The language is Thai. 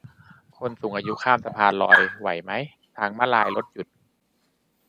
คนสูงอายุข้ามสะพานลอยไหวมั้ย ทางม้าลายรถหยุด